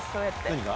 何が？